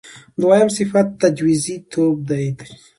دویم صفت تجویزی توب نومېږي.